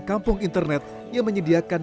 kampung internet yang menyediakan